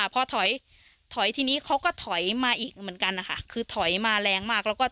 พอถอยที่นี้เค้าก็ถอยมาอีกเหมือนกัน